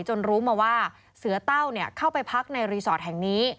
รู้มาว่าเสือเต้าเข้าไปพักในรีสอร์ทแห่งนี้